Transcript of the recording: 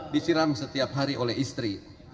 disiram setiap hari oleh istri